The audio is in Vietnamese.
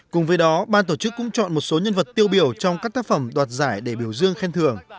cùng với đó ban tổ chức cũng chọn một số nhân vật tiêu biểu trong các tác phẩm đoạt giải để biểu dương khen thưởng